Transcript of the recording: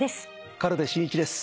軽部真一です。